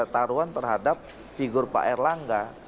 taruhan terhadap figur pak r langga